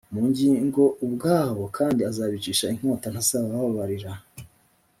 ubugingo bwabo kandi azabicisha inkota ntazabababarira